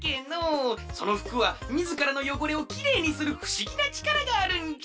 そのふくはみずからのよごれをきれいにするふしぎなちからがあるんじゃ！